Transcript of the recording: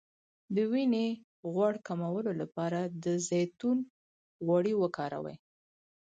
د وینې غوړ کمولو لپاره د زیتون غوړي وکاروئ